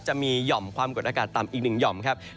จะมีหย่อมความกดอากาศต่ำอีกหนึ่งหย่อมครับ